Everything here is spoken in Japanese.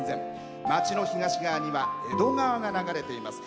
街の東側には江戸川が流れています。